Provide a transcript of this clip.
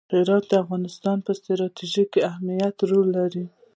هرات د افغانستان په ستراتیژیک اهمیت کې رول لري.